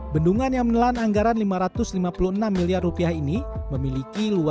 bendungan yang menelan anggaran rp lima ratus lima puluh enam miliar ini memiliki luasnya